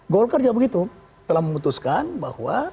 golkar juga begitu telah memutuskan bahwa